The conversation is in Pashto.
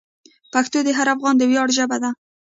پښتو د هر افغان د ویاړ ژبه ده.